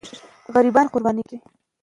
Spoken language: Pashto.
غریبان قرباني کېږي.